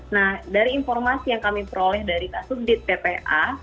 nah dari informasi yang kami peroleh dari kasus di ppa